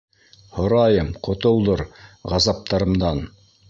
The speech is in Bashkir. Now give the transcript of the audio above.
Һорайым, ҡотолдор ғазаптарымдан...